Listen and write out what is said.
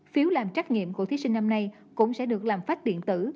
phiếu làm trách nhiệm của thí sinh năm nay cũng sẽ được làm phách điện tử